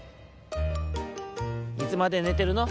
「いつまでねてるの？